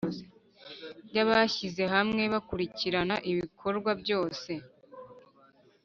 By abishyizehamwe bakurikirana ibikorwa byose